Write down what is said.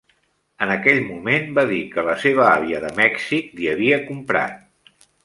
En aquell moment va dir que la seva àvia de Mèxic li havia comprat.